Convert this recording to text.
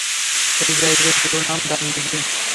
সেই জায়গার পুরো নাম দানবীয় গিল্ড।